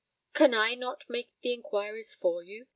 "Can I not make the inquiries for you?"